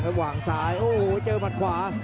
ทั้งหวังท้ายอู้โหเจอบัตต์ขวา